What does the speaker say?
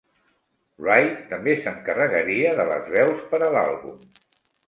Wright també s'encarregaria de les veus per a l'àlbum.